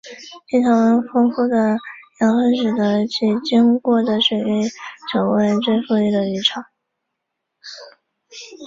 亲潮丰富的养分使得其经过的水域成为富裕的渔场。